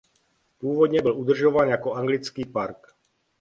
Původně byl udržován jako anglický park.